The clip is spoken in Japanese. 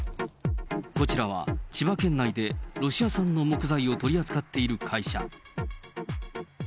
こちらは、千葉県内でロシア産の木材を取り扱っている会社。